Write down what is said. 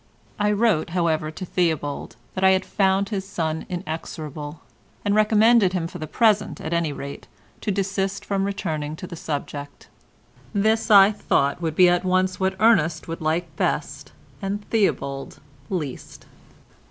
I wrote, however, to Theobald that I had found his son inexorable, and recommended him for the present, at any rate, to desist from returning to the subject. This I thought would be at once what Ernest would like best and Theobald least.